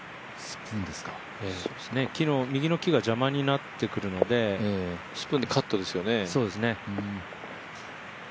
木の幹が邪魔になってくるのでスプーンでカットですよね。